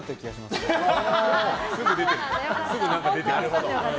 すぐ何か出てくる。